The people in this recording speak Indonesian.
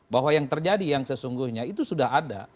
bahwa yang terjadi yang sesungguhnya itu sudah ada